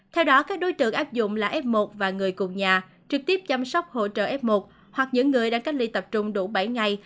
theo đó các đối tượng áp dụng là f một và người cùng nhà trực tiếp chăm sóc hỗ trợ f một hoặc những người đang cách ly tập trung đủ bảy ngày